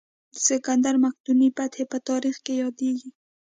د سکندر مقدوني فتحې په تاریخ کې یادېږي.